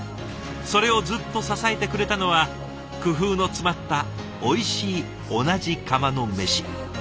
それをずっと支えてくれたのは工夫の詰まったおいしい同じ釜のメシ。